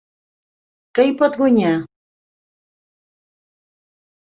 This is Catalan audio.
Què hi pot guanyar?